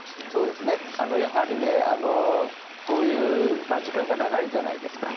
やはりこういう時間が長いじゃないですか。